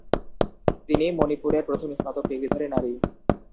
তিনি মণিপুরের প্রথম স্নাতক ডিগ্রিধারী নারী।